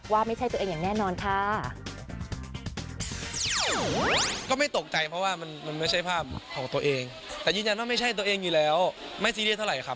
ว่าไม่ใช่ตัวเองอย่างแน่นอนค่ะ